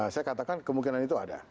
saya katakan kemungkinan itu ada